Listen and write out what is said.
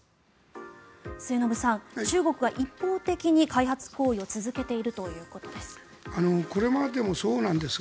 末延さん、中国が一方的に開発行為を続けているということです。